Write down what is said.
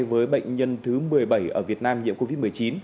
với bệnh nhân thứ một mươi bảy ở việt nam nhiễm covid một mươi chín